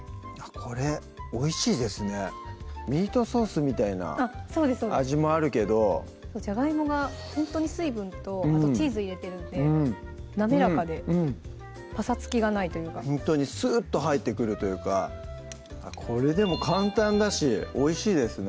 これおいしいですねミートソースみたいな味もあるけどじゃがいもがほんとに水分とあとチーズ入れてるんで滑らかでぱさつきがないというかほんとにスッと入ってくるというかこれでも簡単だしおいしいですね